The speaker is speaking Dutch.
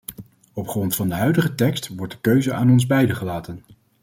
Op grond van de huidige tekst wordt de keuze aan ons beiden gelaten.